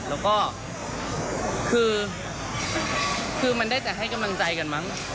แล้วก็คือมันได้แต่ให้กำลังใจกันมั้ง